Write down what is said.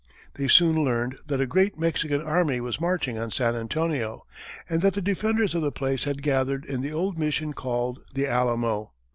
They soon learned that a great Mexican army was marching on San Antonio, and that the defenders of the place had gathered in the old mission called "The Alamo."